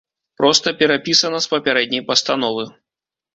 Проста перапісана з папярэдняй пастановы.